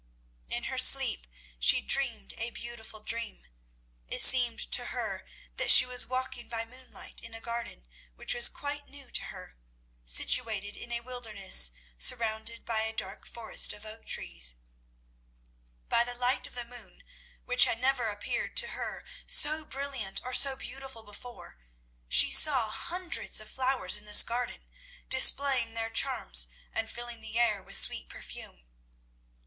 In her sleep she dreamed a beautiful dream. It seemed to her that she was walking by moonlight in a garden which was quite new to her, situated in a wilderness surrounded by a dark forest of oak trees. By the light of the moon, which had never appeared to her so brilliant or so beautiful before, she saw hundreds of flowers in this garden, displaying their charms and filling the air with sweet perfume.